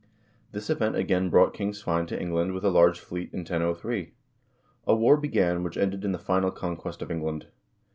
This event again brought King Svein to England with a large fleet in 1003. A war began which ended in the final conquest of England.